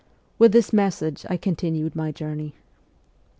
With this message I continued my journey.